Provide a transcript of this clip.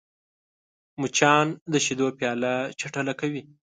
مچان د شیدو پیاله چټله کوي